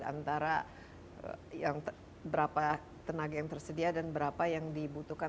antara berapa tenaga yang tersedia dan berapa yang dibutuhkan